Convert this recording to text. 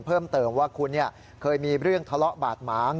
เพิ่มเติมว่าคุณเคยมีเรื่องทะเลาะบาดหมาง